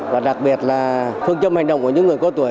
và đặc biệt là phương châm hành động của những người có tuổi